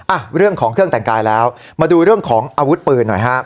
อ่ะเรื่องของเครื่องแต่งกายแล้วมาดูเรื่องของอาวุธปืนหน่อยฮะ